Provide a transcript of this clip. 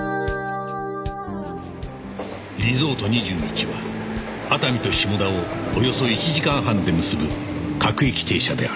リゾート２１は熱海と下田をおよそ１時間半で結ぶ各駅停車である